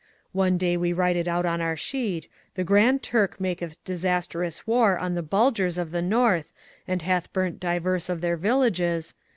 One day we write it out on our sheet 'The Grand Turk maketh disastrous war on the Bulgars of the North and hath burnt divers of their villages.'